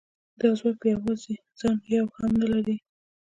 دا ځواک په یوازې ځان یو هم نه لري